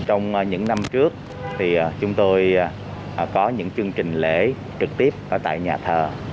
trong những năm trước thì chúng tôi có những chương trình lễ trực tiếp ở tại nhà thờ